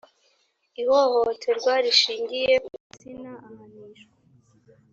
ihohoterwa rishingiye ku gitsina ahanishwa